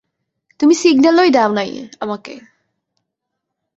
তুমি সিগন্যালই দেও নাই, আমাকে।